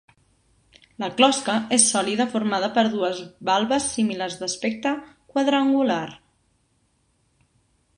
La closca és sòlida formada per dues valves similars d'aspecte quadrangular.